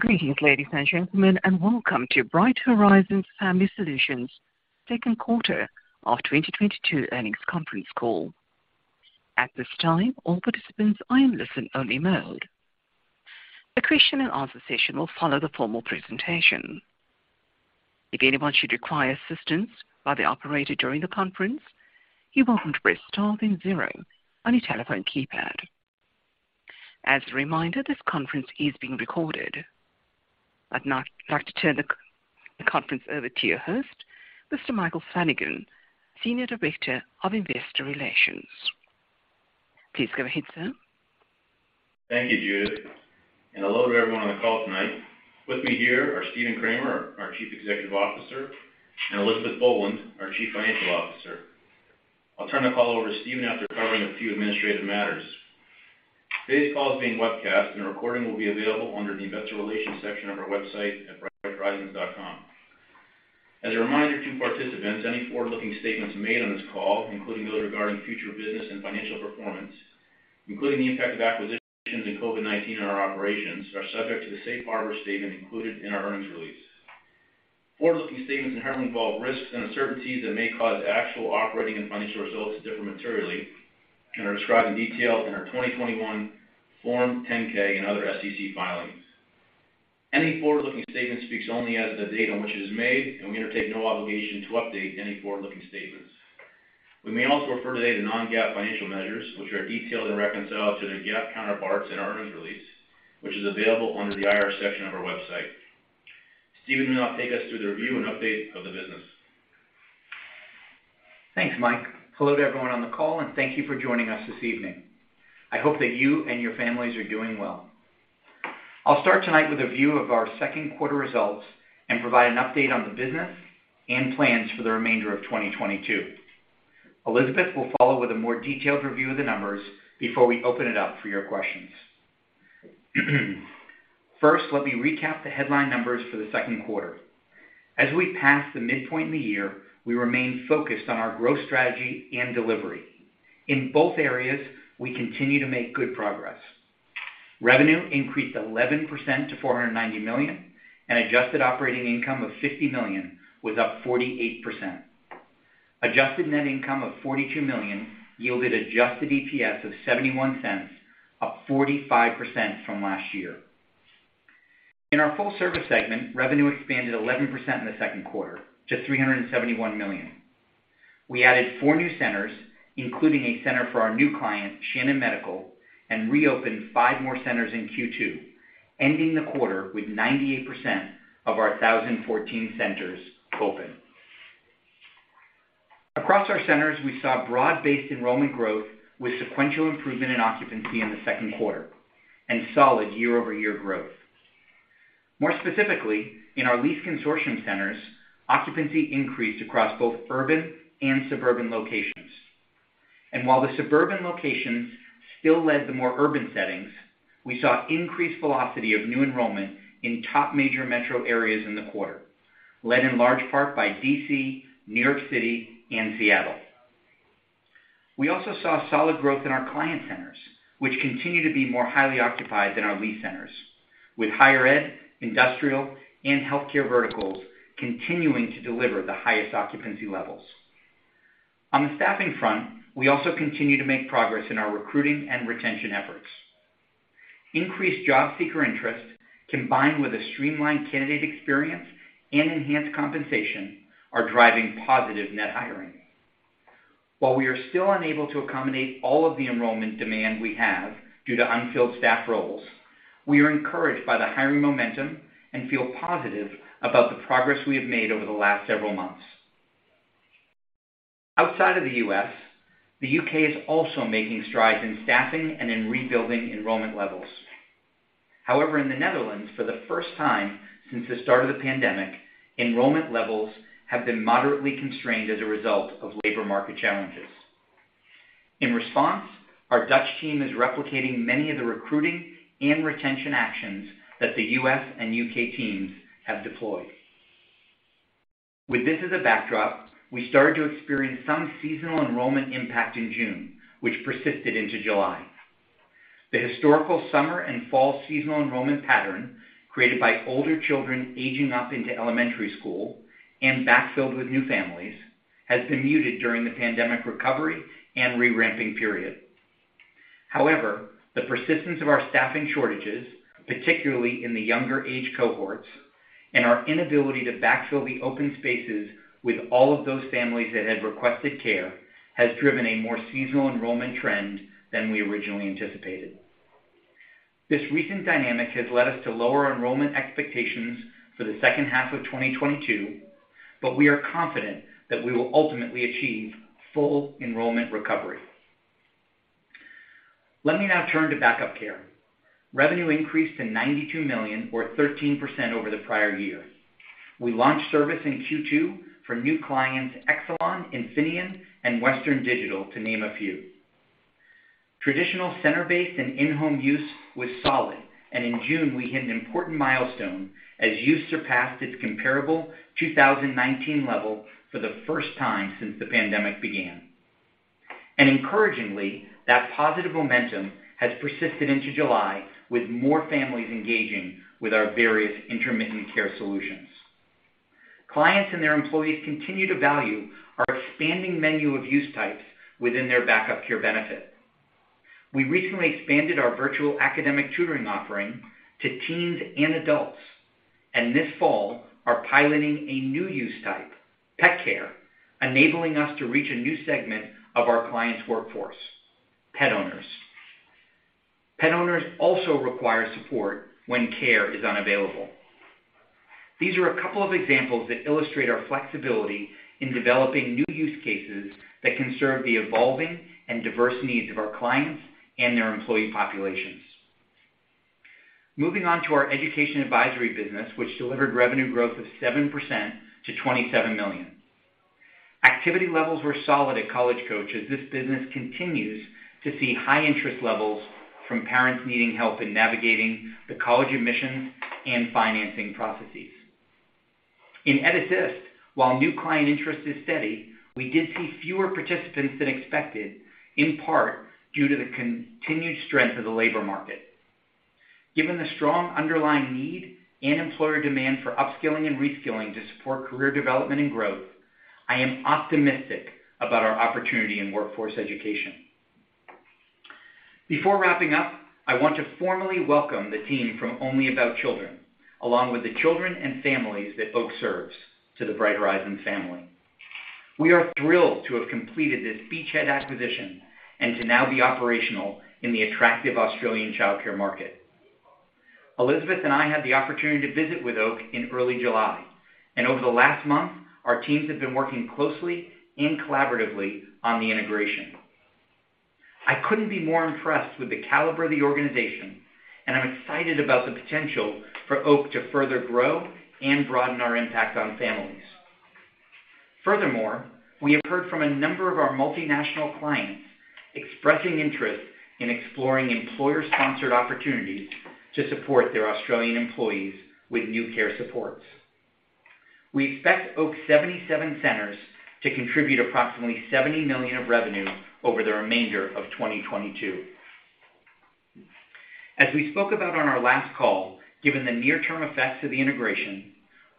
Greetings, ladies and gentlemen, and welcome to Bright Horizons Family Solutions second quarter of 2022 earnings conference call. At this time, all participants are in listen only mode. The question and answer session will follow the formal presentation. If anyone should require assistance by the operator during the conference, you're welcome to press * then 0 on your telephone keypad. As a reminder, this conference is being recorded. I'd now like to turn the conference over to your host, Mr. Michael Flanagan, Senior Director of Investor Relations. Please go ahead, sir. Thank you, Judith, and hello to everyone on the call tonight. With me here are Stephen Kramer, our Chief Executive Officer, and Elizabeth Boland, our Chief Financial Officer. I'll turn the call over to Stephen after covering a few administrative matters. Today's call is being webcast and a recording will be available under the Investor Relations section of our website at brightorizons.com. As a reminder to participants, any forward-looking statements made on this call, including those regarding future business and financial performance, including the impact of acquisitions and COVID-19 on our operations, are subject to the safe harbor statement included in our earnings release. Forward-looking statements inherently involve risks and uncertainties that may cause actual operating and financial results to differ materially and are described in detail in our 2021 Form 10-K and other SEC filings. Any forward-looking statement speaks only as of the date on which it is made, and we undertake no obligation to update any forward-looking statements. We may also refer today to non-GAAP financial measures which are detailed and reconciled to their GAAP counterparts in our earnings release, which is available under the IR section of our website. Stephen will now take us through the review and update of the business. Thanks, Mike. Hello to everyone on the call, and thank you for joining us this evening. I hope that you and your families are doing well. I'll start tonight with a view of our second quarter results and provide an update on the business and plans for the remainder of 2022. Elizabeth will follow with a more detailed review of the numbers before we open it up for your questions. First, let me recap the headline numbers for the second quarter. As we pass the midpoint in the year, we remain focused on our growth strategy and delivery. In both areas, we continue to make good progress. Revenue increased 11% to $490 million, and adjusted operating income of $50 million was up 48%. Adjusted net income of $42 million yielded adjusted EPS of $0.71, up 45% from last year. In our full service segment, revenue expanded 11% in the second quarter to $371 million. We added 4 new centers, including a center for our new client, Shannon Medical Center, and reopened 5 more centers in Q2, ending the quarter with 98% of our 1,014 centers open. Across our centers, we saw broad-based enrollment growth with sequential improvement in occupancy in the second quarter and solid year-over-year growth. More specifically, in our lease consortium centers, occupancy increased across both urban and suburban locations. While the suburban locations still led the more urban settings, we saw increased velocity of new enrollment in top major metro areas in the quarter, led in large part by D.C., New York City, and Seattle. We also saw solid growth in our client centers, which continue to be more highly occupied than our lease centers, with higher ed, industrial, and healthcare verticals continuing to deliver the highest occupancy levels. On the staffing front, we also continue to make progress in our recruiting and retention efforts. Increased job seeker interest, combined with a streamlined candidate experience and enhanced compensation, are driving positive net hiring. While we are still unable to accommodate all of the enrollment demand we have due to unfilled staff roles, we are encouraged by the hiring momentum and feel positive about the progress we have made over the last several months. Outside of the U.S., the U.K. is also making strides in staffing and in rebuilding enrollment levels. However, in the Netherlands, for the first time since the start of the pandemic, enrollment levels have been moderately constrained as a result of labor market challenges. In response, our Dutch team is replicating many of the recruiting and retention actions that the US and UK teams have deployed. With this as a backdrop, we started to experience some seasonal enrollment impact in June, which persisted into July. The historical summer and fall seasonal enrollment pattern, created by older children aging up into elementary school and backfilled with new families, has been muted during the pandemic recovery and reramping period. However, the persistence of our staffing shortages, particularly in the younger age cohorts, and our inability to backfill the open spaces with all of those families that had requested care, has driven a more seasonal enrollment trend than we originally anticipated. This recent dynamic has led us to lower enrollment expectations for the second half of 2022, but we are confident that we will ultimately achieve full enrollment recovery. Let me now turn to Back-Up Care. Revenue increased to $92 million or 13% over the prior year. We launched service in Q2 for new clients, Exelon, Infineon, and Western Digital, to name a few. Traditional center-based and in-home use was solid, and in June, we hit an important milestone as use surpassed its comparable 2019 level for the first time since the pandemic began. Encouragingly, that positive momentum has persisted into July with more families engaging with our various intermittent care solutions. Clients and their employees continue to value our expanding menu of use types within their Back-Up Care benefit. We recently expanded our virtual academic tutoring offering to teens and adults, and this fall are piloting a new use type, pet care, enabling us to reach a new segment of our clients' workforce, pet owners. Pet owners also require support when care is unavailable. These are a couple of examples that illustrate our flexibility in developing new use cases that can serve the evolving and diverse needs of our clients and their employee populations. Moving on to our education advisory business, which delivered revenue growth of 7% to $27 million. Activity levels were solid at College Coach as this business continues to see high interest levels from parents needing help in navigating the college admissions and financing processes. In EdAssist, while new client interest is steady, we did see fewer participants than expected, in part due to the continued strength of the labor market. Given the strong underlying need and employer demand for upskilling and reskilling to support career development and growth, I am optimistic about our opportunity in workforce education. Before wrapping up, I want to formally welcome the team from Only About Children, along with the children and families that OAC serves to the Bright Horizons family. We are thrilled to have completed this beachhead acquisition and to now be operational in the attractive Australian childcare market. Elizabeth and I had the opportunity to visit with OAC in early July, and over the last month, our teams have been working closely and collaboratively on the integration. I couldn't be more impressed with the caliber of the organization, and I'm excited about the potential for OAC to further grow and broaden our impact on families. Furthermore, we have heard from a number of our multinational clients expressing interest in exploring employer-sponsored opportunities to support their Australian employees with new care supports. We expect OAC's 77 centers to contribute approximately $70 million of revenue over the remainder of 2022. As we spoke about on our last call, given the near-term effects of the integration,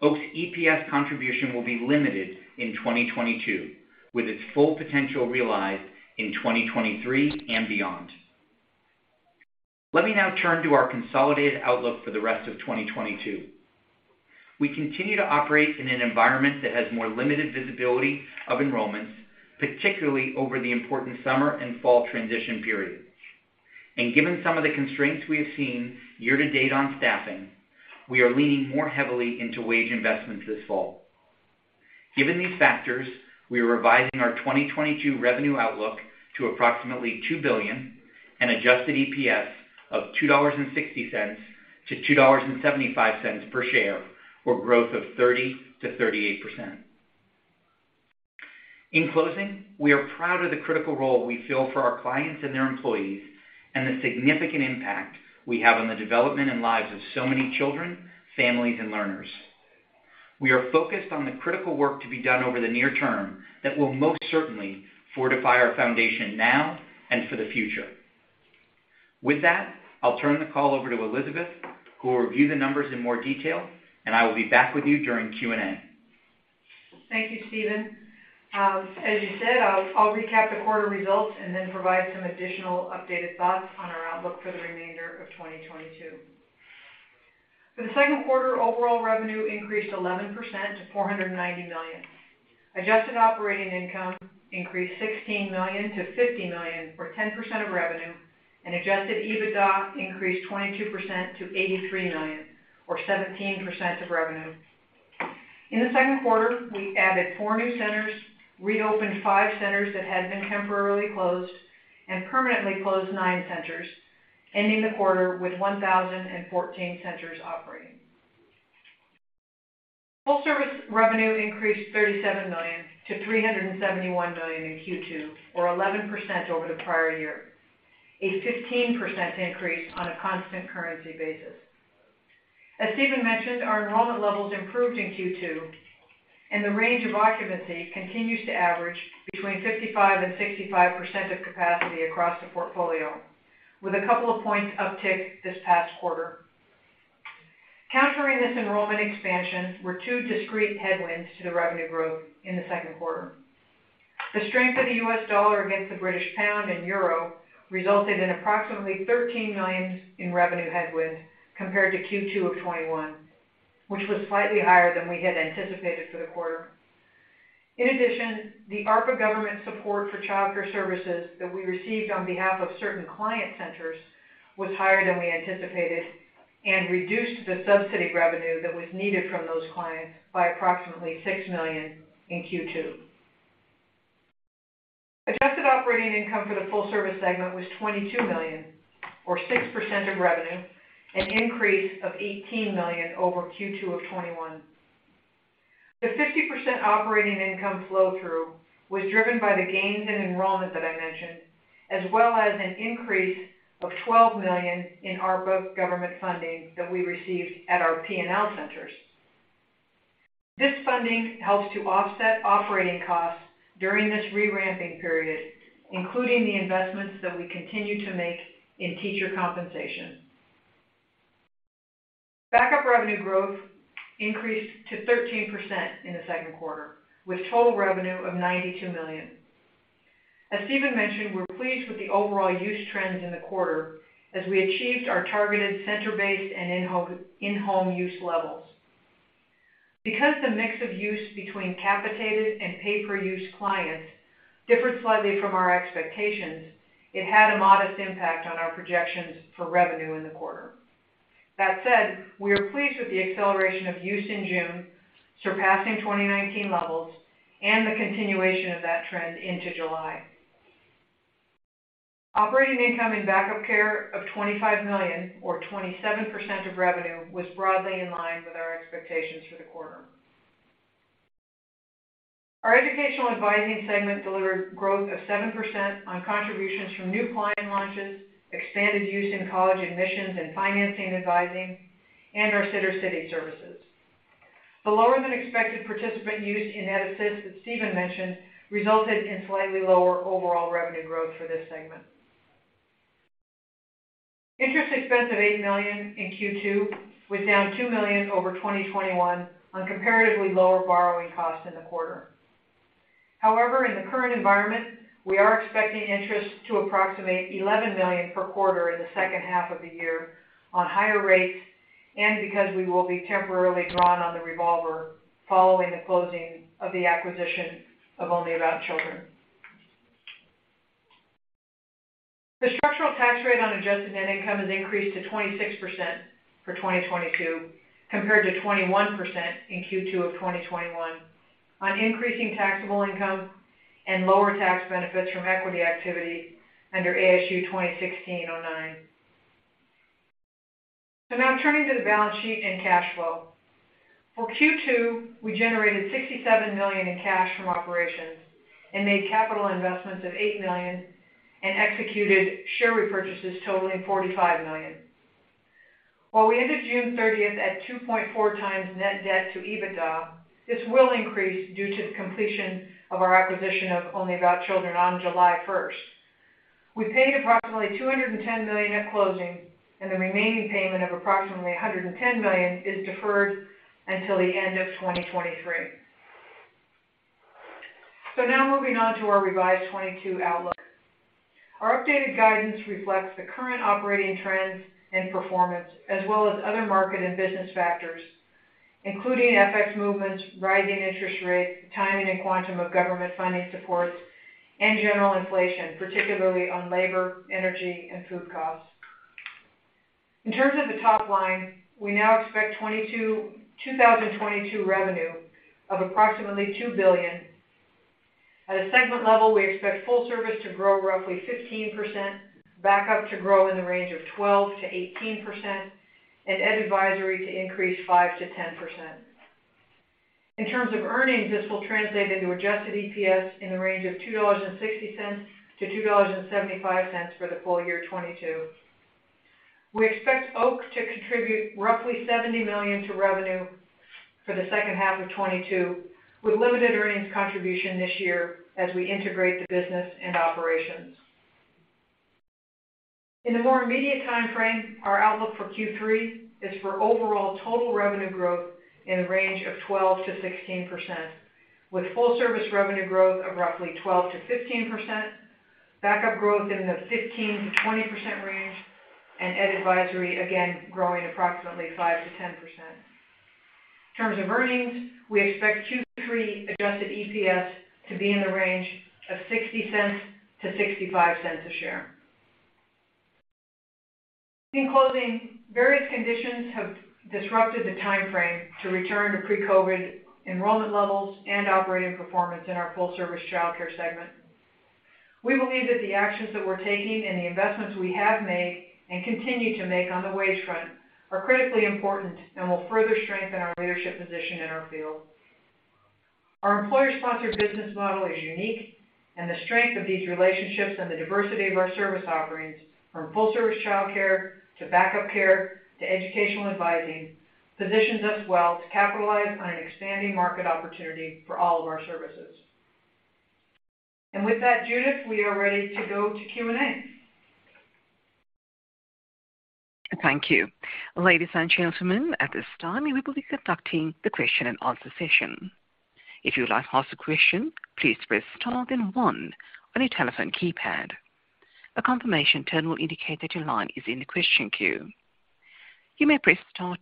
OAC's EPS contribution will be limited in 2022, with its full potential realized in 2023 and beyond. Let me now turn to our consolidated outlook for the rest of 2022. We continue to operate in an environment that has more limited visibility of enrollments, particularly over the important summer and fall transition periods. Given some of the constraints we have seen year-to-date on staffing, we are leaning more heavily into wage investments this fall. Given these factors, we are revising our 2022 revenue outlook to approximately $2 billion and adjusted EPS of $2.60-$2.75 per share, or growth of 30%-38%. In closing, we are proud of the critical role we fill for our clients and their employees and the significant impact we have on the development and lives of so many children, families, and learners. We are focused on the critical work to be done over the near term that will most certainly fortify our foundation now and for the future. With that, I'll turn the call over to Elizabeth, who will review the numbers in more detail, and I will be back with you during Q&A. Thank you, Stephen. As you said, I'll recap the quarter results and then provide some additional updated thoughts on our outlook for the remainder of 2022. For the second quarter, overall revenue increased 11% to $490 million. Adjusted operating income increased $16 million to $50 million, or 10% of revenue, and adjusted EBITDA increased 22% to $83 million, or 17% of revenue. In the second quarter, we added 4 new centers, reopened 5 centers that had been temporarily closed, and permanently closed 9 centers, ending the quarter with 1,014 centers operating. Full service revenue increased $37 million to $371 million in Q2, or 11% over the prior year, a 15% increase on a constant currency basis. As Stephen mentioned, our enrollment levels improved in Q2, and the range of occupancy continues to average between 55% and 65% of capacity across the portfolio, with a couple of points uptick this past quarter. Countering this enrollment expansion were two discrete headwinds to the revenue growth in the second quarter. The strength of the U.S. dollar against the British pound and euro resulted in approximately $13 million in revenue headwind compared to Q2 of 2021, which was slightly higher than we had anticipated for the quarter. In addition, the ARPA government support for childcare services that we received on behalf of certain client centers was higher than we anticipated and reduced the subsidy revenue that was needed from those clients by approximately $6 million in Q2. Adjusted operating income for the full service segment was $22 million or 6% of revenue, an increase of $18 million over Q2 of 2021. The 50% operating income flow-through was driven by the gains in enrollment that I mentioned, as well as an increase of $12 million in ARPA government funding that we received at our P&L centers. This funding helps to offset operating costs during this reramping period, including the investments that we continue to make in teacher compensation. Back-up revenue growth increased to 13% in the second quarter, with total revenue of $92 million. As Stephen mentioned, we're pleased with the overall use trends in the quarter as we achieved our targeted center-based and in-home use levels. Because the mix of use between capitated and pay-per-use clients differed slightly from our expectations, it had a modest impact on our projections for revenue in the quarter. That said, we are pleased with the acceleration of use in June, surpassing 2019 levels and the continuation of that trend into July. Operating income in Back-Up Care of $25 million or 27% of revenue was broadly in line with our expectations for the quarter. Our Educational Advisory Services segment delivered growth of 7% on contributions from new client launches, expanded use in college admissions and financing advising, and our Sittercity services. The lower than expected participant use in EdAssist that Stephen mentioned resulted in slightly lower overall revenue growth for this segment. Interest expense of $8 million in Q2 was down $2 million over 2021 on comparatively lower borrowing costs in the quarter. However, in the current environment, we are expecting interest to approximate $11 million per quarter in the second half of the year on higher rates and because we will be temporarily drawn on the revolver following the closing of the acquisition of Only About Children. The structural tax rate on adjusted net income has increased to 26% for 2022, compared to 21% in Q2 of 2021, on increasing taxable income and lower tax benefits from equity activity under ASU 2016-09. Now turning to the balance sheet and cash flow. For Q2, we generated $67 million in cash from operations and made capital investments of $8 million and executed share repurchases totaling $45 million. While we ended June 30th at 2.4x net debt to EBITDA, this will increase due to the completion of our acquisition of Only About Children on July 1st. We paid approximately $210 million at closing, and the remaining payment of approximately $110 million is deferred until the end of 2023. Now moving on to our revised 2022 outlook. Our updated guidance reflects the current operating trends and performance, as well as other market and business factors, including FX movements, rising interest rates, timing and quantum of government funding supports, and general inflation, particularly on labor, energy, and food costs. In terms of the top line, we now expect 2022 revenue of approximately $2 billion. At a segment level, we expect full service to grow roughly 15%, backup to grow in the range of 12%-18%, and Ed Advisory to increase 5%-10%. In terms of earnings, this will translate into adjusted EPS in the range of $2.60-$2.75 for the full year 2022. We expect OAC to contribute roughly $70 million to revenue for the second half of 2022, with limited earnings contribution this year as we integrate the business and operations. In the more immediate time frame, our outlook for Q3 is for overall total revenue growth in the range of 12%-16%, with Full Service revenue growth of roughly 12%-15%, Back-Up growth in the 15%-20% range, and Educational Advisory again growing approximately 5%-10%. In terms of earnings, we expect Q3 adjusted EPS to be in the range of $0.60-$0.65 a share. In closing, various conditions have disrupted the time frame to return to pre-COVID enrollment levels and operating performance in our full service childcare segment. We believe that the actions that we're taking and the investments we have made and continue to make on the wage front are critically important and will further strengthen our leadership position in our field. Our employer-sponsored business model is unique, and the strength of these relationships and the diversity of our service offerings from full service childcare to backup care to educational advising positions us well to capitalize on an expanding market opportunity for all of our services. With that, Judith, we are ready to go to Q&A. Thank you. Ladies and gentlemen, at this time, we will be conducting the question and answer session. If you would like to ask a question, please press * then 1 on your telephone keypad. A confirmation tone will indicate that your line is in the question queue. You may press *2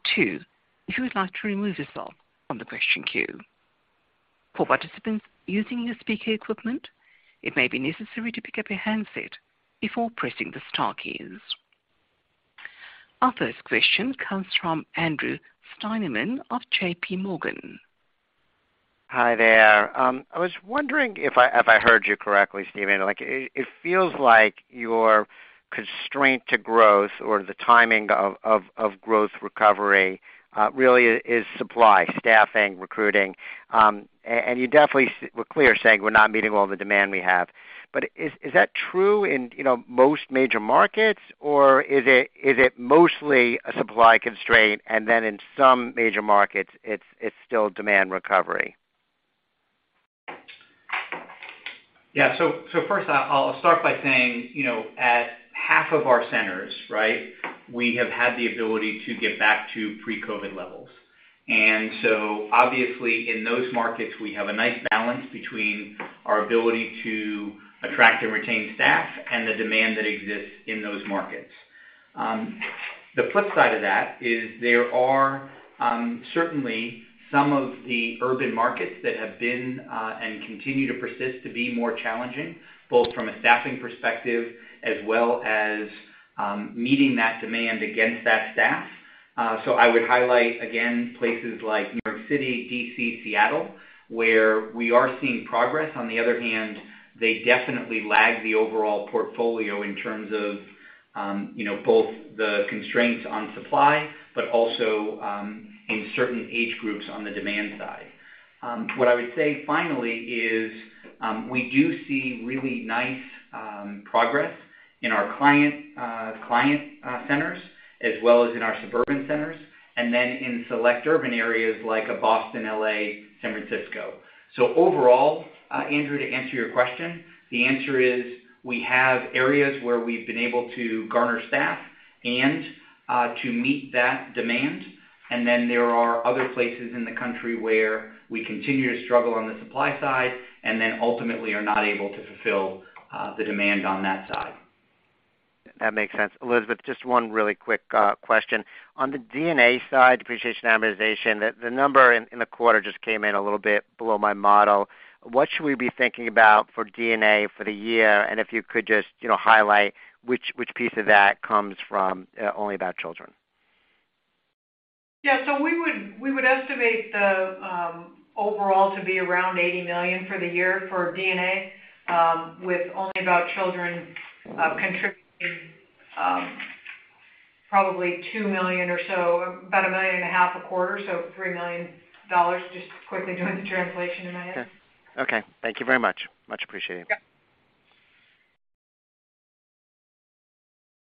if you would like to remove yourself from the question queue. For participants using your speaker equipment, it may be necessary to pick up your handset before pressing the * keys. Our first question comes from Andrew Steinerman of J.P. Morgan. Hi there. I was wondering if I heard you correctly, Stephen. Like, it feels like your constraint to growth or the timing of growth recovery really is supply, staffing, recruiting. And you definitely were clear saying we're not meeting all the demand we have. Is that true in, you know, most major markets, or is it mostly a supply constraint, and then in some major markets, it's still demand recovery? First I'll start by saying, you know, at half of our centers, right, we have had the ability to get back to pre-COVID levels. Obviously in those markets, we have a nice balance between our ability to attract and retain staff and the demand that exists in those markets. The flip side of that is there are certainly some of the urban markets that have been and continue to persist to be more challenging, both from a staffing perspective as well as meeting that demand against that staff. I would highlight, again, places like New York City, D.C., Seattle, where we are seeing progress. On the other hand, they definitely lag the overall portfolio in terms of, you know, both the constraints on supply, but also in certain age groups on the demand side. What I would say finally is, we do see really nice progress in our client centers as well as in our suburban centers, and then in select urban areas like Boston, L.A., San Francisco. Overall, Andrew, to answer your question, the answer is we have areas where we've been able to garner staff and to meet that demand. Then there are other places in the country where we continue to struggle on the supply side and then ultimately are not able to fulfill the demand on that side. That makes sense. Elizabeth, just one really quick question. On the D&A side, depreciation, amortization, the number in the quarter just came in a little bit below my model. What should we be thinking about for D&A for the year? If you could just, you know, highlight which piece of that comes from Only About Children. We would estimate the overall to be around $80 million for the year for D&A, with Only About Children contributing probably $2 million or so, about $1.5 million a quarter, so $3 million, just quickly doing the translation in my head. Okay. Thank you very much. Much appreciated.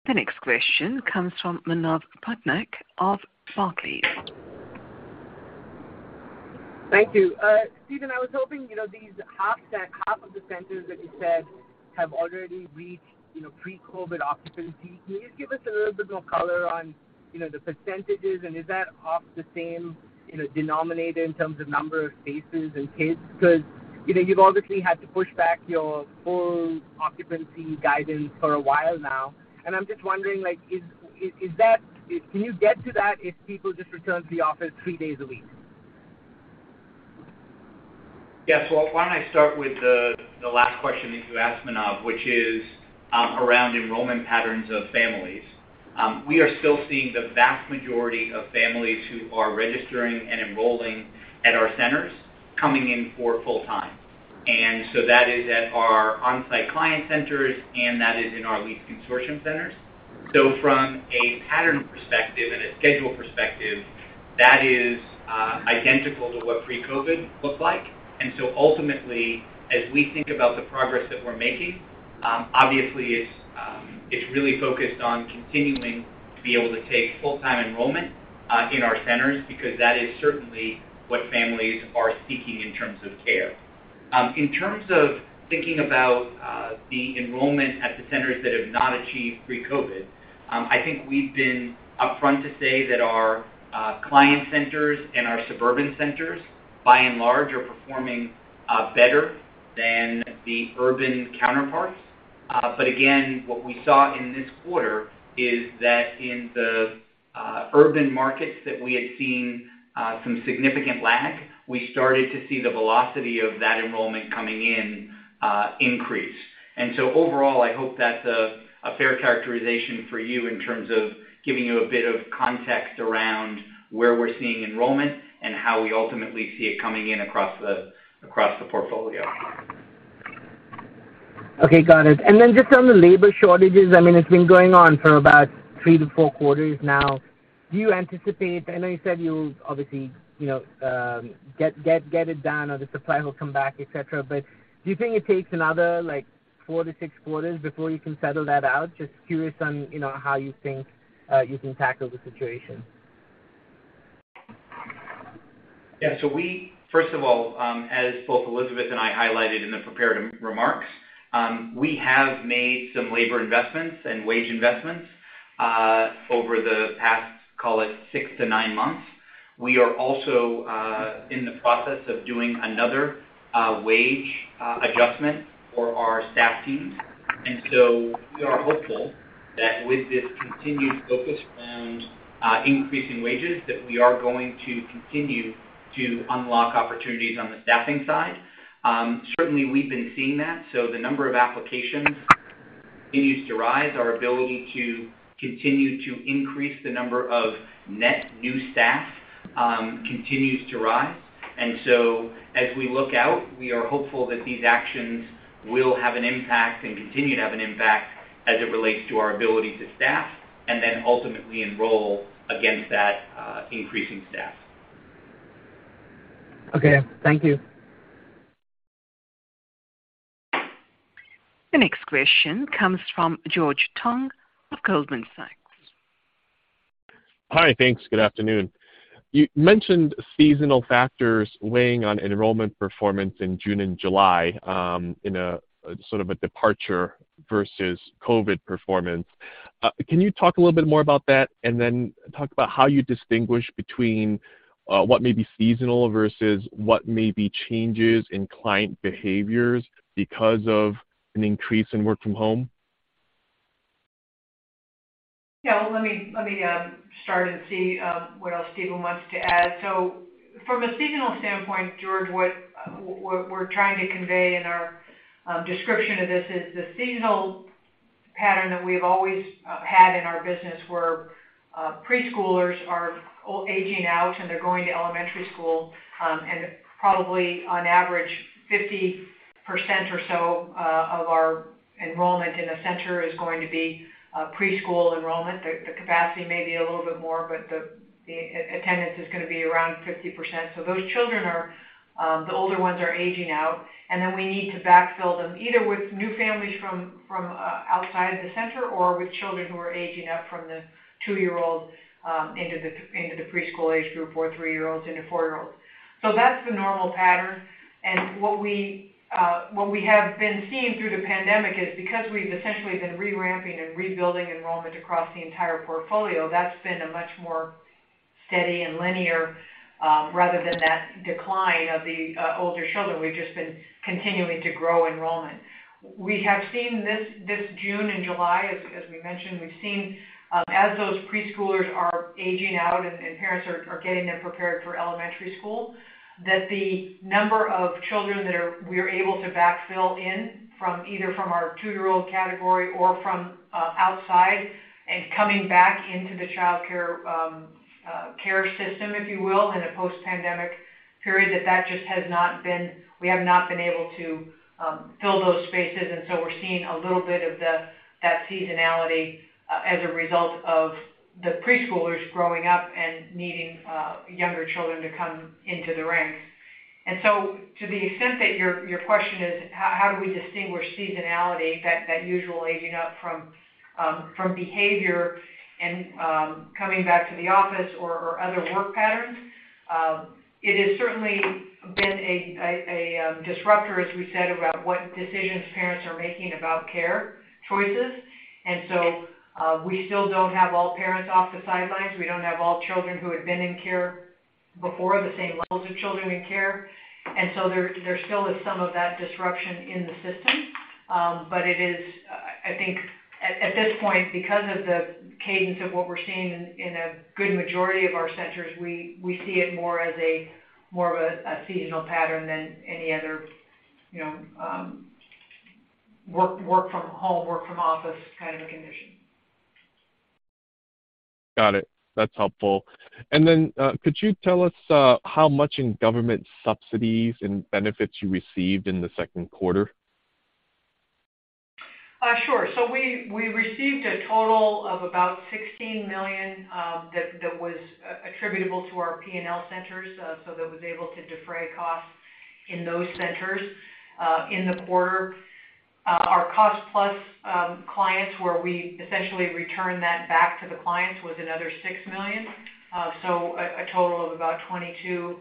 The next question comes from Manav Patnaik of Barclays. Thank you. Stephen, I was hoping, you know, half of the centers that you said have already reached, you know, pre-COVID occupancy. Can you just give us a little bit more color on, you know, the percentages, and is that off the same, you know, denominator in terms of number of spaces and kids? Because, you know, you've obviously had to push back your full occupancy guidance for a while now. I'm just wondering, like, is that. Can you get to that if people just return to the office three days a week? Yes. Well, why don't I start with the last question that you asked, Manav, which is around enrollment patterns of families. We are still seeing the vast majority of families who are registering and enrolling at our centers coming in for full-time. That is at our on-site client centers, and that is in our lease consortium centers. From a pattern perspective and a schedule perspective, that is identical to what pre-COVID looked like. Ultimately, as we think about the progress that we're making, obviously it's really focused on continuing to be able to take full-time enrollment in our centers because that is certainly what families are seeking in terms of care. In terms of thinking about the enrollment at the centers that have not achieved pre-COVID, I think we've been upfront to say that our client centers and our suburban centers, by and large, are performing better than the urban counterparts. But again, what we saw in this quarter is that in the urban markets that we had seen some significant lag, we started to see the velocity of that enrollment coming in increase. Overall, I hope that's a fair characterization for you in terms of giving you a bit of context around where we're seeing enrollment and how we ultimately see it coming in across the portfolio. Okay. Got it. Just on the labor shortages, I mean, it's been going on for about 3-4 quarters now. Do you anticipate? I know you said you'll obviously, you know, get it done or the supply will come back, et cetera, but do you think it takes another, like, 4-6 quarters before you can settle that out? Just curious on, you know, how you think you can tackle the situation. First of all, as both Elizabeth and I highlighted in the prepared remarks, we have made some labor investments and wage investments over the past, call it 6-9 months. We are also in the process of doing another wage adjustment for our staff teams. We are hopeful that with this continued focus around increasing wages, that we are going to continue to unlock opportunities on the staffing side. Certainly we've been seeing that. The number of applications continues to rise. Our ability to continue to increase the number of net new staff continues to rise. As we look out, we are hopeful that these actions will have an impact and continue to have an impact. As it relates to our ability to staff and then ultimately enroll against that, increasing staff. Okay. Thank you. The next question comes from George Tong of Goldman Sachs. Hi. Thanks. Good afternoon. You mentioned seasonal factors weighing on enrollment performance in June and July, sort of a departure versus COVID performance. Can you talk a little bit more about that, and then talk about how you distinguish between what may be seasonal versus what may be changes in client behaviors because of an increase in work from home? Let me start and see what else Stephen wants to add. From a seasonal standpoint, George, what we're trying to convey in our description of this is the seasonal pattern that we've always had in our business, where preschoolers are aging out, and they're going to elementary school. Probably on average, 50% or so of our enrollment in a center is going to be preschool enrollment. The capacity may be a little bit more, but the attendance is gonna be around 50%. Those children are. The older ones are aging out, and then we need to backfill them, either with new families from outside the center or with children who are aging up from the two-year-old into the preschool age group, or three-year-olds into four-year-olds. That's the normal pattern. What we have been seeing through the pandemic is because we've essentially been reramping and rebuilding enrollment across the entire portfolio, that's been a much more steady and linear rather than that decline of the older children. We've just been continuing to grow enrollment. We have seen this June and July, as we mentioned, as those preschoolers are aging out and parents are getting them prepared for elementary school, that the number of children that are. We're able to backfill from either our two-year-old category or from outside and coming back into the childcare care system, if you will, in a post-pandemic period, that just has not been. We have not been able to fill those spaces. We're seeing a little bit of that seasonality as a result of the preschoolers growing up and needing younger children to come into the ranks. To the extent that your question is how do we distinguish seasonality, that usual aging up from behavior and coming back to the office or other work patterns, it has certainly been a disruptor, as we said, about what decisions parents are making about care choices. We still don't have all parents off the sidelines. We don't have all children who had been in care before, the same levels of children in care. There still is some of that disruption in the system. But it is, I think at this point, because of the cadence of what we're seeing in a good majority of our centers, we see it more of a seasonal pattern than any other, you know, work from home, work from office kind of a condition. Got it. That's helpful. Could you tell us how much in government subsidies and benefits you received in the second quarter? Sure. We received a total of about $16 million, that was attributable to our P&L centers, so that was able to defray costs in those centers, in the quarter. Our cost-plus clients where we essentially return that back to the clients was another $6 million. A total of about 22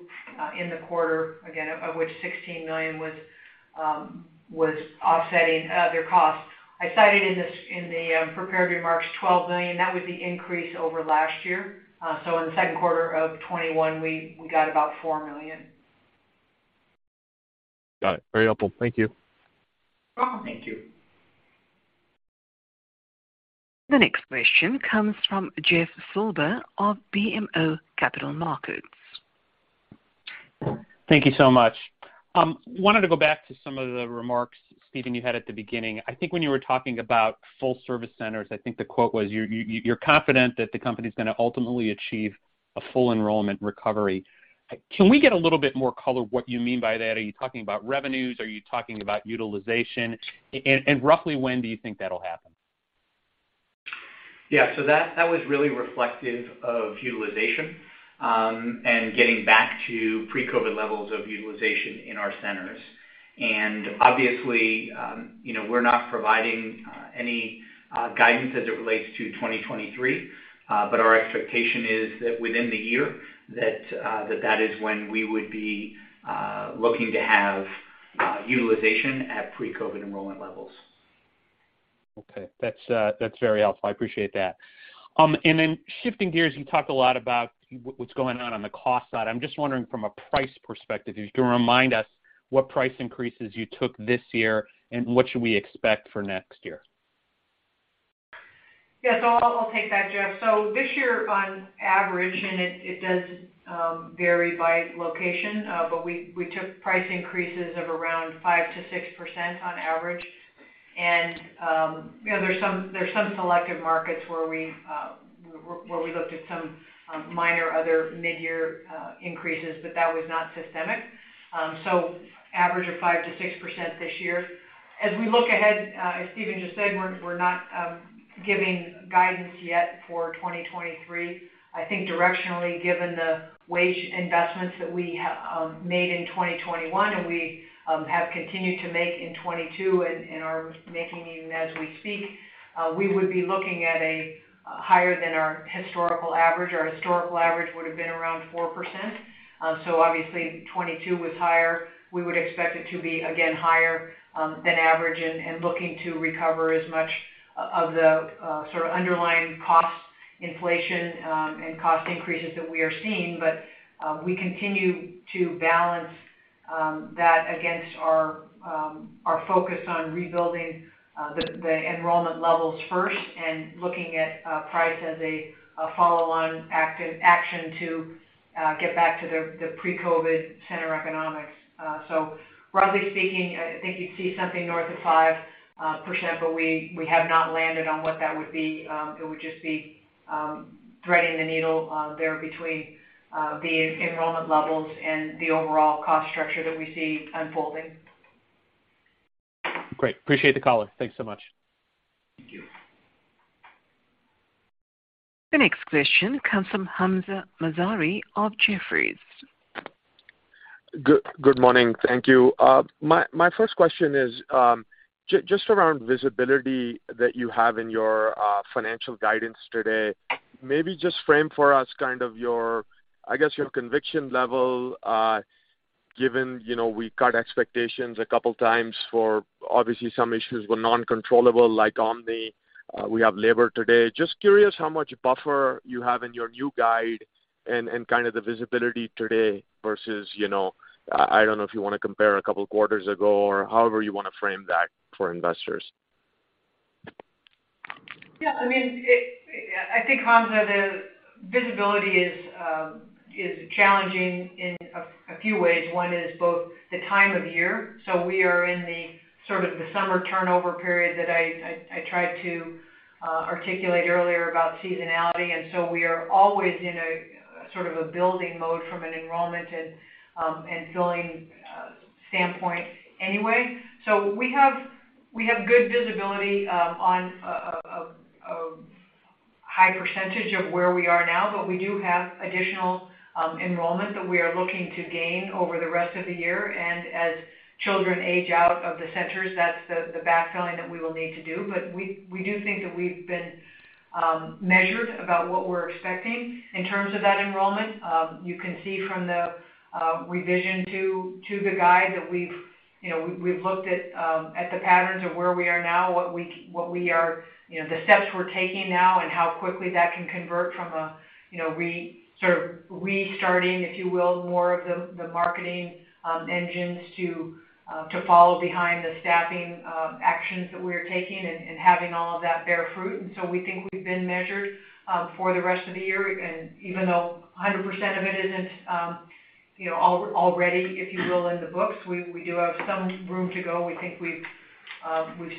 in the quarter, again, of which $16 million was offsetting their costs. I cited in the prepared remarks $12 million. That was the increase over last year. In the second quarter of 2021, we got about $4 million. Got it. Very helpful. Thank you. Oh, thank you. The next question comes from Jeff Silber of BMO Capital Markets. Thank you so much. Wanted to go back to some of the remarks, Stephen, you had at the beginning. I think when you were talking about full service centers, I think the quote was you're confident that the company's gonna ultimately achieve a full enrollment recovery. Can we get a little bit more color on what you mean by that? Are you talking about revenues? Are you talking about utilization? And roughly when do you think that'll happen? That was really reflective of utilization and getting back to pre-COVID levels of utilization in our centers. Obviously, you know, we're not providing any guidance as it relates to 2023. Our expectation is that within the year that that is when we would be looking to have utilization at pre-COVID enrollment levels. Okay. That's very helpful. I appreciate that. Shifting gears, you talked a lot about what's going on on the cost side. I'm just wondering from a price perspective, if you can remind us what price increases you took this year and what should we expect for next year? I'll take that, Jeff. This year on average, it does vary by location, but we took price increases of around 5%-6% on average. You know, there's some selective markets where we where we looked at some minor other mid-year increases, but that was not systemic. Average of 5%-6% this year. As we look ahead, as Steven just said, we're not giving guidance yet for 2023. I think directionally, given the wage investments that we made in 2021 and we have continued to make in 2022 and are making even as we speak, we would be looking at a higher than our historical average. Our historical average would have been around 4%. Obviously 2022 was higher. We would expect it to be, again, higher than average and looking to recover as much of the sort of underlying cost inflation and cost increases that we are seeing. We continue to balance that against our focus on rebuilding the enrollment levels first and looking at price as a follow-on action to get back to the pre-COVID center economics. Roughly speaking, I think you'd see something north of 5%, but we have not landed on what that would be. It would just be threading the needle there between the enrollment levels and the overall cost structure that we see unfolding. Great. Appreciate the color. Thanks so much. Thank you. The next question comes from Hamzah Mazari of Jefferies. Good morning. Thank you. My first question is just around visibility that you have in your financial guidance today. Maybe just frame for us kind of your, I guess, your conviction level, given, you know, we cut expectations a couple times for obviously some issues were non-controllable, like Omicron, we have labor today. Just curious how much buffer you have in your new guide and kind of the visibility today versus, you know, I don't know if you wanna compare a couple quarters ago or however you wanna frame that for investors. I mean, I think, Hamza, the visibility is challenging in a few ways. One is both the time of year. We are in the sort of the summer turnover period that I tried to articulate earlier about seasonality. We are always in a sort of a building mode from an enrollment and filling standpoint anyway. We have good visibility on a high percentage of where we are now, but we do have additional enrollment that we are looking to gain over the rest of the year. As children age out of the centers, that's the backfilling that we will need to do. We do think that we've been measured about what we're expecting in terms of that enrollment. You can see from the revision to the guide that you know, we've looked at the patterns of where we are now, what we are. You know, the steps we're taking now and how quickly that can convert from a you know, sort of restarting, if you will, more of the marketing engines to follow behind the staffing actions that we're taking and having all of that bear fruit. We think we've been measured for the rest of the year. Even though 100% of it isn't, you know, already, if you will, in the books, we do have some room to go. We think we've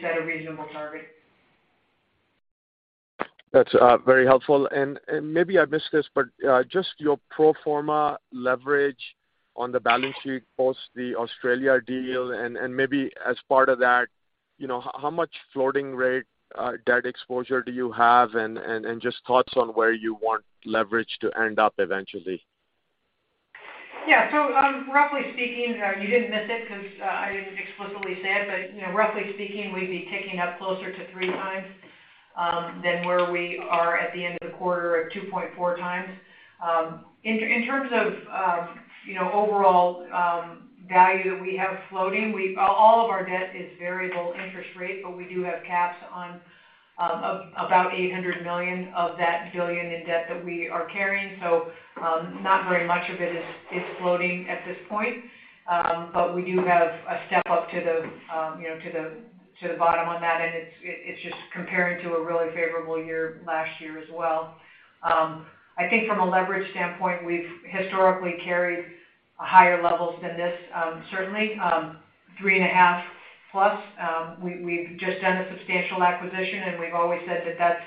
set a reasonable target. That's very helpful. Maybe I missed this, but just your pro forma leverage on the balance sheet post the Australia deal, and just thoughts on where you want leverage to end up eventually? Roughly speaking, you didn't miss it 'cause I didn't explicitly say it, but you know, roughly speaking, we'd be ticking up closer to 3 times than where we are at the end of the quarter at 2.4 times. In terms of you know, overall value that we have floating, all of our debt is variable interest rate, but we do have caps on about $800 million of that $1 billion in debt that we are carrying. Not very much of it is floating at this point. We do have a step up to the bottom on that, and it's just comparing to a really favorable year last year as well. I think from a leverage standpoint, we've historically carried higher levels than this, certainly 3.5 plus. We've just done a substantial acquisition, and we've always said that that's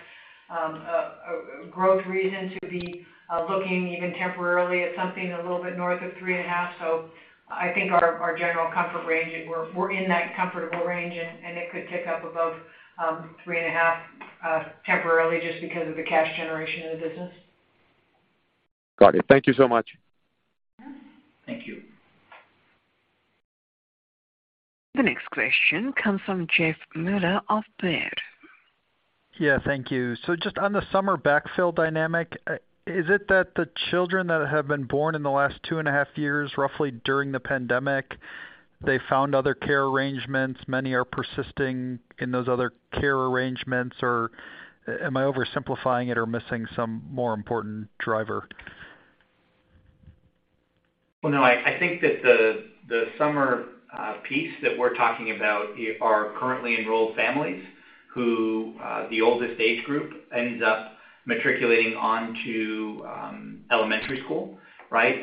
a growth reason to be looking even temporarily at something a little bit north of 3.5. I think our general comfort range, we're in that comfortable range and it could tick up above 3.5 temporarily just because of the cash generation of the business. Got it. Thank you so much. Thank you. The next question comes from Jeffrey Meuler of Baird. Thank you. Just on the summer backfill dynamic, is it that the children that have been born in the last 2.5 years, roughly during the pandemic, they found other care arrangements, many are persisting in those other care arrangements, or am I oversimplifying it or missing some more important driver? No, I think that the summer piece that we're talking about are currently enrolled families who the oldest age group ends up matriculating on to elementary school, right?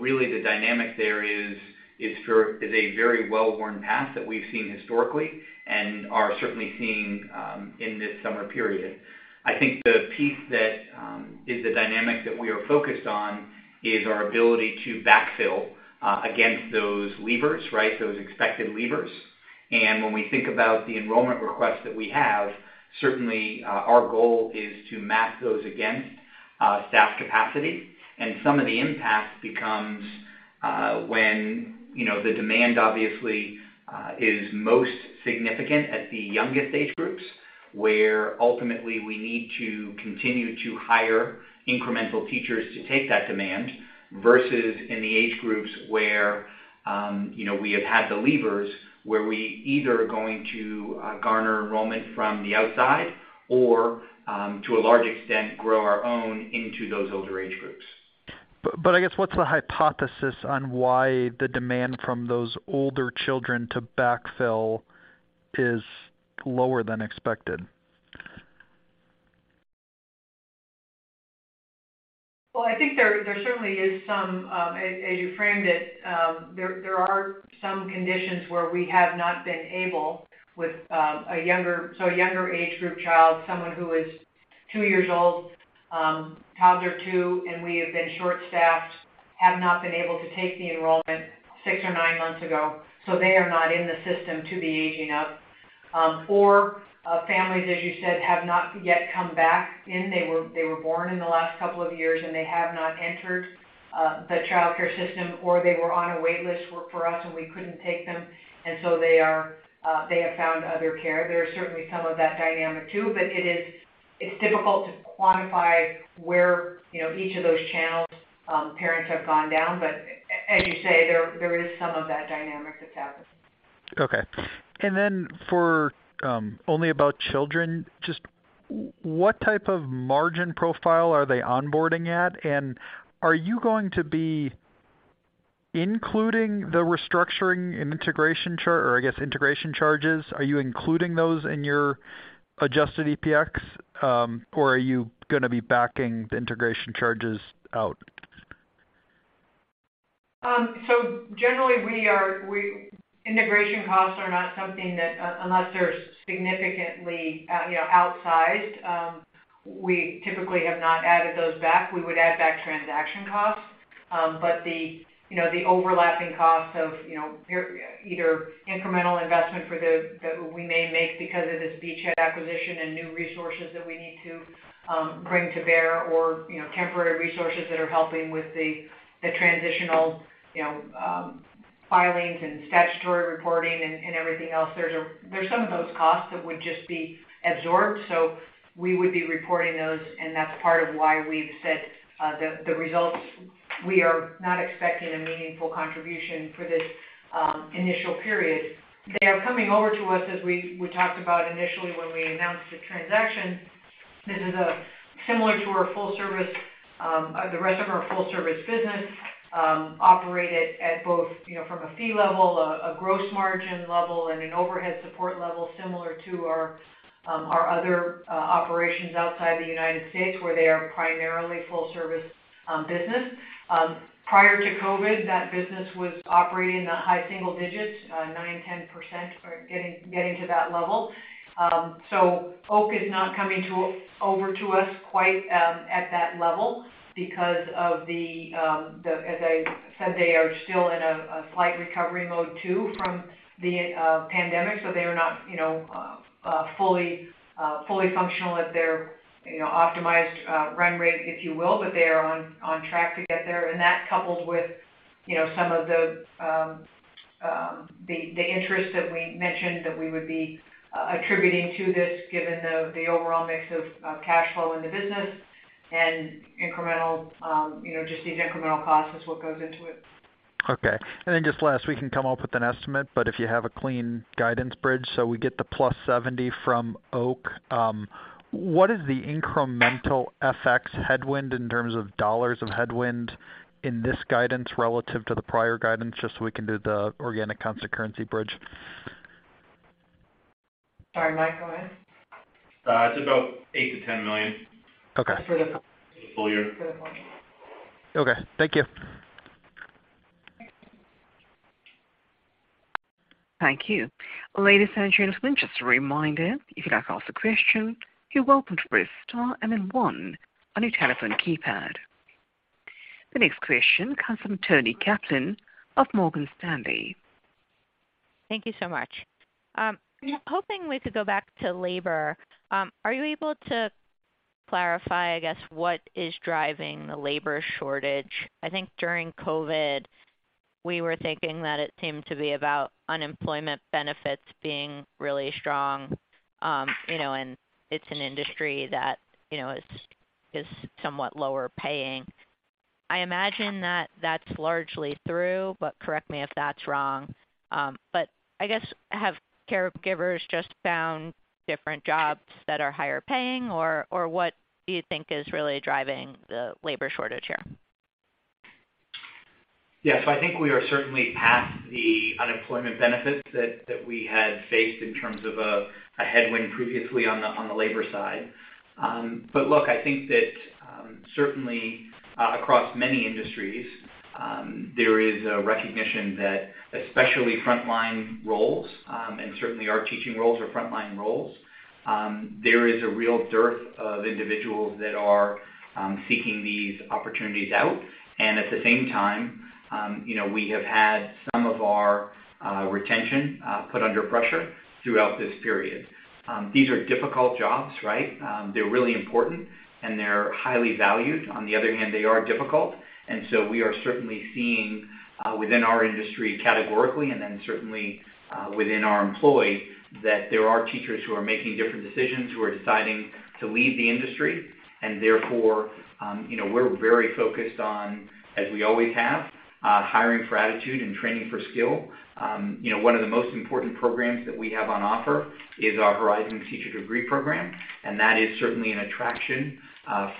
Really the dynamic there is a very well-worn path that we've seen historically and are certainly seeing in this summer period. I think the piece that is the dynamic that we are focused on is our ability to backfill against those leavers, right? Those expected leavers. When we think about the enrollment requests that we have, certainly our goal is to map those against staff capacity. Some of the impact becomes, when, you know, the demand obviously is most significant at the youngest age groups, where ultimately we need to continue to hire incremental teachers to take that demand, versus in the age groups where, you know, we have had the leavers, where we either are going to garner enrollment from the outside or, to a large extent, grow our own into those older age groups. I guess, what's the hypothesis on why the demand from those older children to backfill is lower than expected? Well, I think there certainly is some, as you framed it, there are some conditions where we have not been able with a younger age group child, someone who is 2 years old, toddler 2, and we have been short-staffed, have not been able to take the enrollment 6 or 9 months ago, so they are not in the system to be aging up. Or families, as you said, have not yet come back in. They were born in the last couple of years, and they have not entered the childcare system, or they were on a wait list for us, and we couldn't take them. They have found other care. There are certainly some of that dynamic too, but it is difficult to quantify where, you know, each of those channels parents have gone down. As you say, there is some of that dynamic that's happening. For Only About Children, just what type of margin profile are they onboarding at? Are you going to be including the restructuring and integration charges in your adjusted EPS, or are you gonna be backing the integration charges out? Generally, integration costs are not something that, unless they're significantly, you know, outsized, we typically have not added those back. We would add back transaction costs. The overlapping costs of either incremental investment that we may make because of this beachhead acquisition and new resources that we need to bring to bear or, you know, temporary resources that are helping with the transitional filings and statutory reporting and everything else. There's some of those costs that would just be absorbed, so we would be reporting those, and that's part of why we've said the results. We are not expecting a meaningful contribution for this initial period. They are coming over to us as we talked about initially when we announced the transaction. This is similar to our full service, the rest of our full service business operated at both, you know, from a fee level, a gross margin level, and an overhead support level similar to our other operations outside the United States where they are primarily full service business. Prior to COVID, that business was operating in the high single digits, 9, 10% or getting to that level. OAC is not coming over to us quite at that level because, as I said, they are still in a slight recovery mode too from the pandemic, so they are not, you know, fully functional at their, you know, optimized run rate, if you will. They are on track to get there. That coupled with some of the interest that we mentioned that we would be attributing to this given the overall mix of cash flow in the business and incremental, you know, just the incremental costs is what goes into it. Just last, we can come up with an estimate, but if you have a clean guidance bridge, so we get the +70 from OAC. What is the incremental FX headwind in terms of dollars of headwind in this guidance relative to the prior guidance, just so we can do the organic constant currency bridge? Sorry, Mike, go ahead. It's about $8-10 million. Okay. For the- Full year. Okay. Thank you. Thank you. Ladies and gentlemen, just a reminder, if you'd like to ask a question, you're welcome to press * and then 1 on your telephone keypad. The next question comes from Toni Kaplan of Morgan Stanley. Thank you so much. Hoping we could go back to labor. Are you able to clarify, I guess, what is driving the labor shortage? I think during COVID, we were thinking that it seemed to be about unemployment benefits being really strong, you know, and it's an industry that, you know, is somewhat lower paying. I imagine that that's largely through, but correct me if that's wrong. But I guess, have caregivers just found different jobs that are higher paying, or what do you think is really driving the labor shortage here? Yes, I think we are certainly past the unemployment benefits that we had faced in terms of a headwind previously on the labor side. Look, I think that certainly across many industries there is a recognition that especially frontline roles and certainly our teaching roles are frontline roles. There is a real dearth of individuals that are seeking these opportunities out. At the same time, you know, we have had some of our retention put under pressure throughout this period. These are difficult jobs, right? They're really important, and they're highly valued. On the other hand, they are difficult. We are certainly seeing, within our industry categorically and then certainly within our employees, that there are teachers who are making different decisions, who are deciding to leave the industry. Therefore, you know, we're very focused on, as we always have, hiring for attitude and training for skill. You know, one of the most important programs that we have on offer is our Horizons Teacher Degree Program, and that is certainly an attraction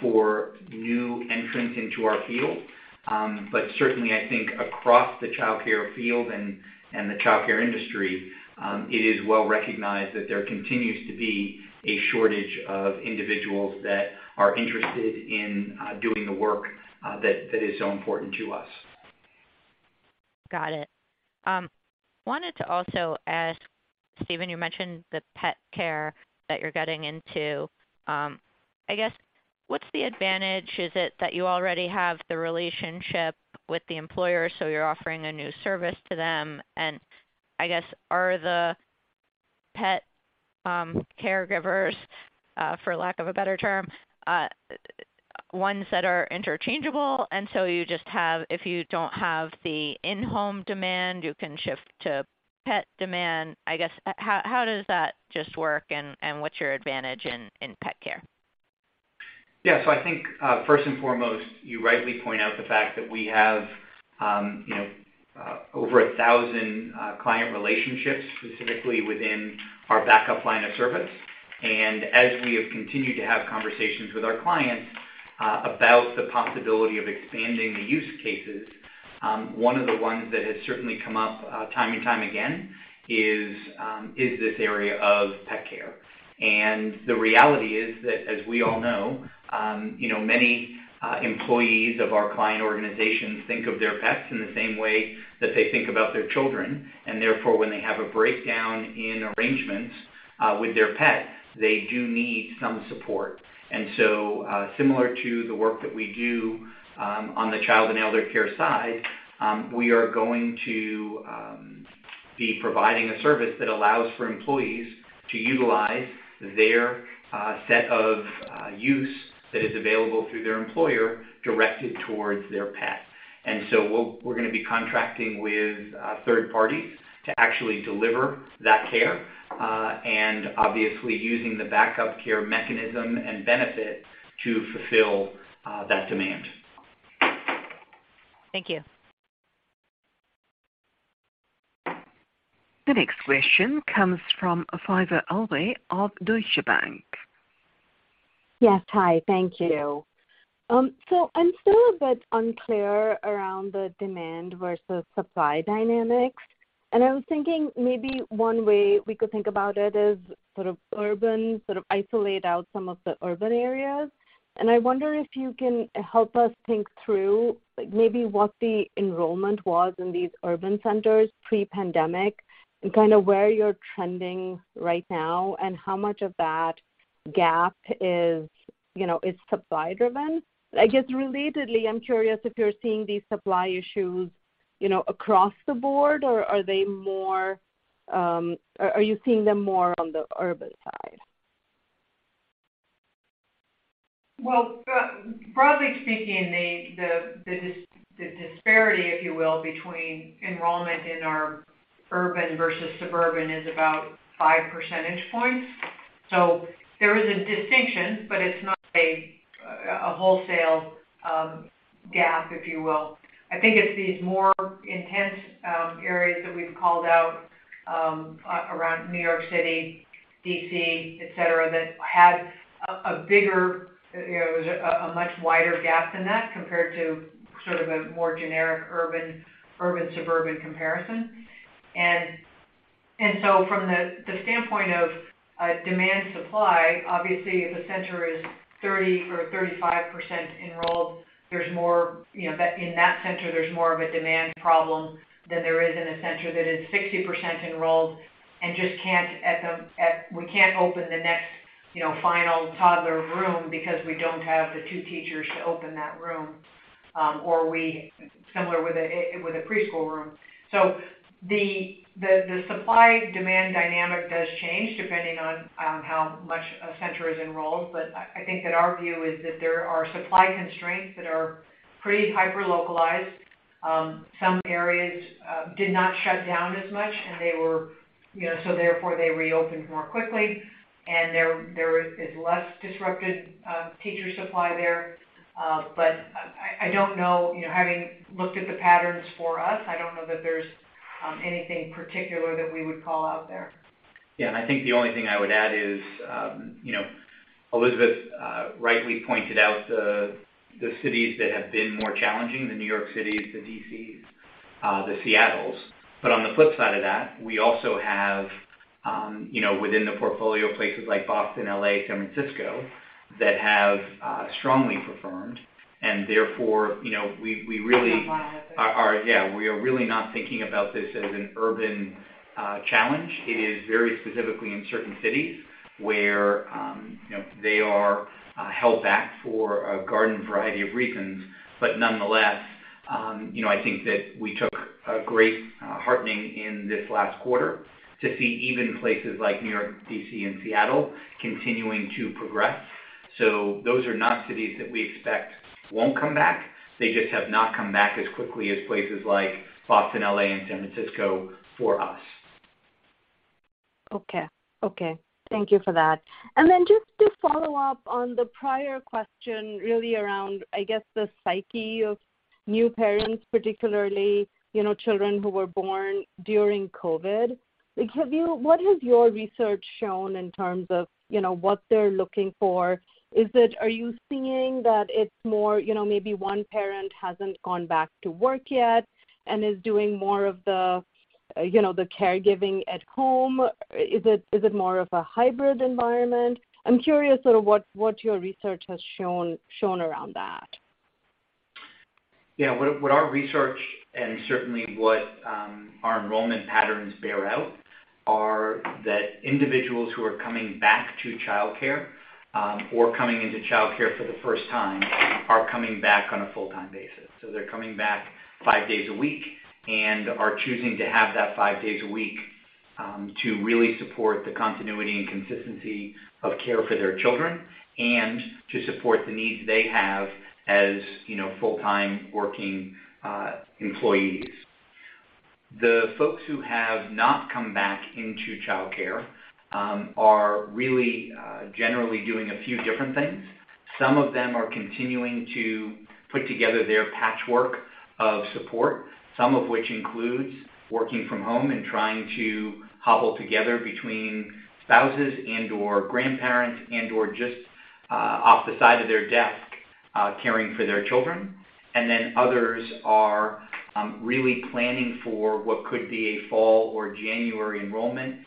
for new entrants into our field. Certainly I think across the childcare field and the childcare industry, it is well recognized that there continues to be a shortage of individuals that are interested in doing the work that is so important to us. Got it. Wanted to also ask, Steven, you mentioned the pet care that you're getting into. I guess what's the advantage? Is it that you already have the relationship with the employer, so you're offering a new service to them? I guess, are the pet caregivers, for lack of a better term, ones that are interchangeable, and so you just have if you don't have the in-home demand, you can shift to pet demand? I guess, how does that just work, and what's your advantage in pet care? I think, first and foremost, you rightly point out the fact that we have, you know, over 1,000 client relationships specifically within our backup line of service. As we have continued to have conversations with our clients about the possibility of expanding the use cases, one of the ones that has certainly come up time and time again is this area of pet care. The reality is that, as we all know, you know, many employees of our client organizations think of their pets in the same way that they think about their children. Therefore, when they have a breakdown in arrangements with their pets, they do need some support. Similar to the work that we do on the child and elder care side, we are going to be providing a service that allows for employees to utilize their set of use that is available through their employer directed towards their pet. We're gonna be contracting with third parties to actually deliver that care and obviously using the Back-Up Care mechanism and benefit to fulfill that demand. Thank you. The next question comes from Faiza Alwy of Deutsche Bank. Yes. Hi. Thank you. So I'm still a bit unclear around the demand versus supply dynamics, and I was thinking maybe one way we could think about it is sort of urban, sort of isolate out some of the urban areas. I wonder if you can help us think through, like, maybe what the enrollment was in these urban centers pre-pandemic and kind of where you're trending right now and how much of that gap is, you know, is supply driven. I guess relatedly, I'm curious if you're seeing these supply issues, you know, across the board or are they more, or are you seeing them more on the urban side? Well, broadly speaking, the disparity, if you will, between enrollment in our urban versus suburban is about five percentage points. So there is a distinction, but it's not a wholesale gap, if you will. I think it's these more intense areas that we've called out around New York City, D.C., et cetera, that had a bigger, you know, a much wider gap than that compared to sort of a more generic urban/suburban comparison. From the standpoint of demand supply, obviously if a center is 30% or 35% enrolled, there's more, you know, in that center, there's more of a demand problem than there is in a center that is 60% enrolled and just can't at the, at. We can't open the next, you know, final toddler room because we don't have the two teachers to open that room. Similar with a preschool room. The supply-demand dynamic does change depending on how much a center is enrolled. I think that our view is that there are supply constraints that are pretty hyper localized. Some areas did not shut down as much, and they were, you know, so therefore they reopened more quickly. There is less disrupted teacher supply there. I don't know, you know, having looked at the patterns for us, I don't know that there's anything particular that we would call out there. I think the only thing I would add is, you know, Elizabeth rightly pointed out the cities that have been more challenging, the New York City, the D.C.s, the Seattles. But on the flip side of that, we also have, you know, within the portfolio, places like Boston, L.A., San Francisco, that have strongly performed. Therefore, you know, we really are not thinking about this as an urban challenge. It is very specifically in certain cities where, you know, they are held back for a garden variety of reasons. But nonetheless, you know, I think that we took a great heartening in this last quarter to see even places like New York, D.C. and Seattle continuing to progress. Those are not cities that we expect won't come back. They just have not come back as quickly as places like Boston, L.A. and San Francisco for us. Okay. Okay. Thank you for that. Just to follow up on the prior question, really around, I guess, the psyche of new parents, particularly, you know, children who were born during COVID. Like, What has your research shown in terms of, you know, what they're looking for? Is it? Are you seeing that it's more, you know, maybe one parent hasn't gone back to work yet and is doing more of the, you know, the caregiving at home? Is it more of a hybrid environment? I'm curious sort of what your research has shown around that. What our research and certainly what our enrollment patterns bear out are that individuals who are coming back to childcare or coming into childcare for the first time are coming back on a full-time basis. They're coming back five days a week and are choosing to have that five days a week to really support the continuity and consistency of care for their children and to support the needs they have as, you know, full-time working employees. The folks who have not come back into childcare are really generally doing a few different things. Some of them are continuing to put together their patchwork of support, some of which includes working from home and trying to cobble together between spouses and/or grandparents and/or just off the side of their desk caring for their children. Others are really planning for what could be a fall or January enrollment in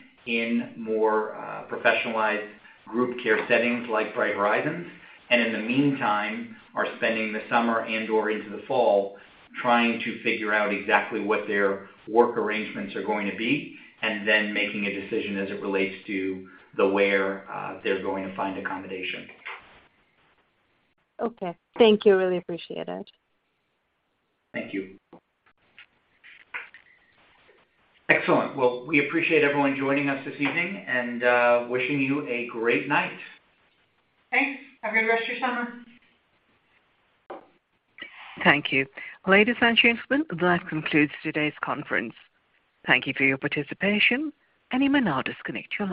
more professionalized group care settings like Bright Horizons. In the meantime, are spending the summer and/or into the fall trying to figure out exactly what their work arrangements are going to be and then making a decision as it relates to the where they're going to find accommodation. Okay. Thank you. Really appreciate it. Thank you. Excellent. Well, we appreciate everyone joining us this evening, and wishing you a great night. Thanks. Have a good rest of your summer. Thank you. Ladies and gentlemen, that concludes today's conference. Thank you for your participation, and you may now disconnect your line.